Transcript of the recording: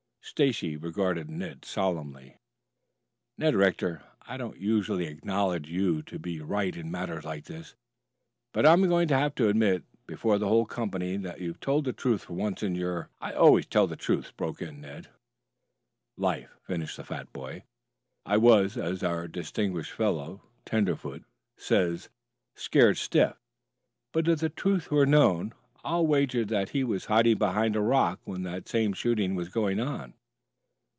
Stacy regarded Ned solemnly. "Ned Rector, I don't usually acknowledge you to be right in matters like this, but I'm going to admit before the whole company that you've told the truth for once in your " "I always tell the truth," broke in Ned. " life," finished the fat boy. "I was, as our distinguished fellow tenderfoot says, scared stiff. But if the truth were known, I'll wager that he was hiding behind a rock when that same shooting was going on."